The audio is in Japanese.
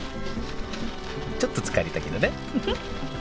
ちょっと疲れたけどね